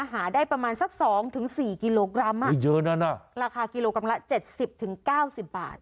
หาได้ประมาณสักสองถึงสี่กิโลกรัมอ่ะเยอะน่ะน่ะราคากิโลกรัมละเจ็ดสิบถึงเก้าสิบบาท